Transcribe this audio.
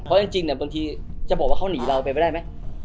เพราะจริงบางทีจะบอกว่าเขาหนีเราไปไม่ได้ไหม